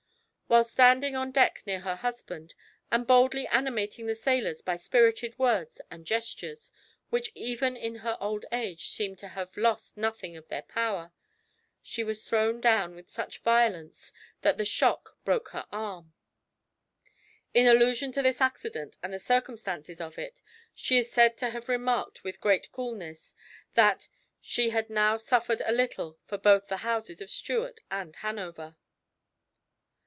While standing on deck near her husband, and boldly animating the sailors by spirited words and gestures, which even in her old age seemed to have lost nothing of their power, she was thrown down with such violence that the shock broke her arm. In allusion to this accident and the circumstances of it, she is said to have remarked with great coolness, that "she had now suffered a little for both the houses of Stuart and Hanover."